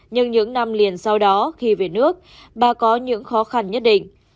nhưng những năm liền sau đó khi về nước bà có những khó khăn nhất định